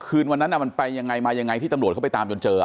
คืนวันนั้นมันไปยังไงมายังไงที่ตำรวจเขาไปตามจนเจอ